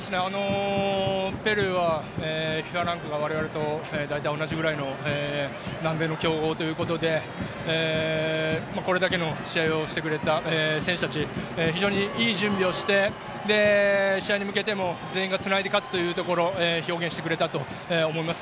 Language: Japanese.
ペルーはＦＩＦＡランクが我々と大体同じぐらいの南米の強豪ということでこれだけの試合をしてくれた選手たち、非常にいい準備をして、試合に向けても全員がつないで勝つというところを表現してくれたと思います。